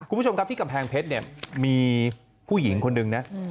คุณผู้ชมครับที่กำแพงเพชรเนี่ยมีผู้หญิงคนหนึ่งนะ